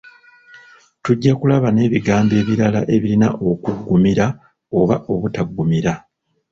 Tujja kulaba n’ebigambo ebirala ebirina okuggumira oba obutaggumira.